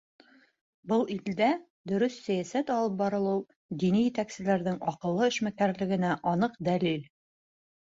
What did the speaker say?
Был — илдә дөрөҫ сәйәсәт алып барылыуы, дини етәкселәрҙең аҡыллы эшмәкәрлегенә аныҡ дәлил.